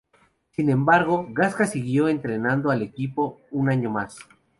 Sin embargo Gasca siguió entrenando al equipo un año más.